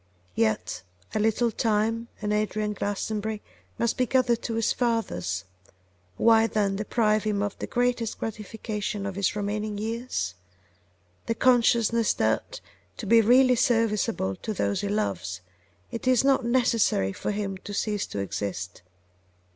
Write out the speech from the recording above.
Yet a little time and Adrian Glastonbury must be gathered to his fathers. Why, then, deprive him of the greatest gratification of his remaining years? the consciousness that, to be really serviceable to those he loves, it is not necessary for him to cease to exist.